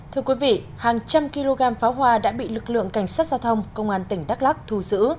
thưa quý vị hàng trăm kg pháo hoa đã bị lực lượng cảnh sát giao thông công an tỉnh đắk lắc thu giữ